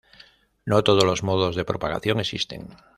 No todos los modos de propagación existen.